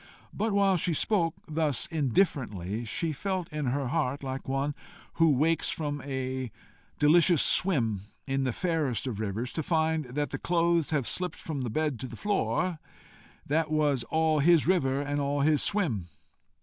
But while she spoke thus indifferently she felt in her heart like one who wakes from a delicious swim in the fairest of rivers, to find that the clothes have slipped from the bed to the floor: that was all his river and all his swim!